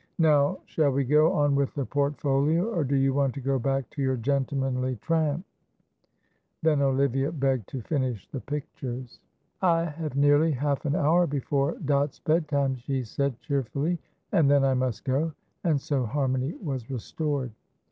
"Now shall we go on with the portfolio, or do you want to go back to your gentlemanly tramp?" Then Olivia begged to finish the pictures. "I have nearly half an hour before Dot's bedtime," she said, cheerfully, "and then I must go," and so harmony was restored.